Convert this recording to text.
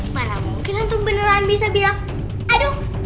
mana mungkin untuk beneran bisa bilang aduh